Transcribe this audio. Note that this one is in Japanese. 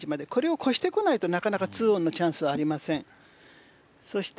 これを越してこないとなかなかツーオンのチャンスはありません。